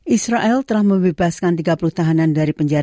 israel telah membebaskan tiga puluh tahanan dari penjara